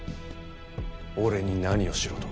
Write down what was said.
俺に何をしろと？